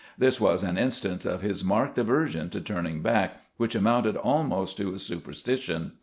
This was an instance of his marked aversion to turning back, which amounted almost to a superstition.